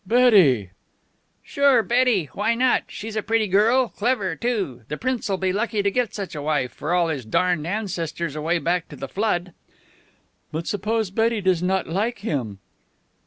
"Betty!" "Sure, Betty. Why not? She's a pretty girl. Clever too. The Prince'll be lucky to get such a wife, for all his darned ancestors away back to the flood." "But suppose Betty does not like him?"